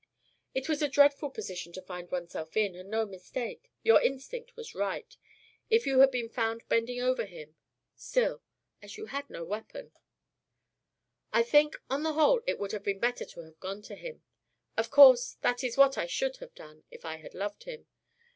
"It was a dreadful position to find oneself in and no mistake. Your instinct was right. If you had been found bending over him still, as you had no weapon " "I think on the whole it would have been better to have gone to him. Of course that is what I should have done if I had loved him.